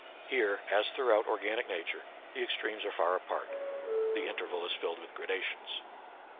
Here, as throughout or ganic nature, the extremes are far apart ; the interval is fiUed with gradations.